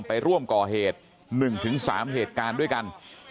ไปร่วมก่อเหตุหนึ่งถึงสามเหตุการณ์ด้วยกัน